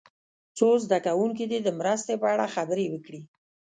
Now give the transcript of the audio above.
څو زده کوونکي دې د مرستې په اړه خبرې وکړي.